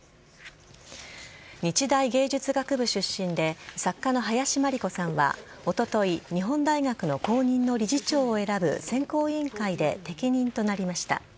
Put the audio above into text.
日大芸術学部出身で作家の林真理子さんはおととい日本大学の後任の理事長を選ぶ選考委員会で適任となりました。